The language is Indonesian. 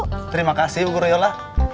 terima kasih bu guryola